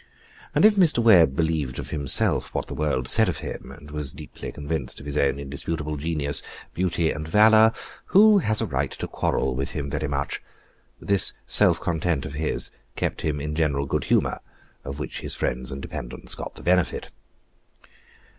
And if Mr. Webb believed of himself what the world said of him, and was deeply convinced of his own indisputable genius, beauty, and valor, who has a right to quarrel with him very much? This self content of his kept him in general good humor, of which his friends and dependants got the benefit.